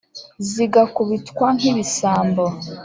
zigakubitwa nk’ibisambo